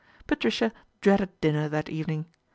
Patricia dreaded dinner that evening.